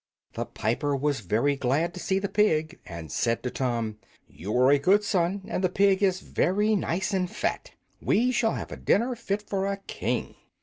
The piper was very glad to see the pig, and said to Tom, "You are a good son, and the pig is very nice and fat. We shall have a dinner fit for a king."